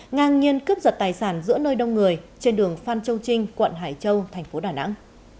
ngang nhiên cướp giật tài sản giữa nơi đông người trên đường phan châu trinh quận hải châu thành phố đà nẵng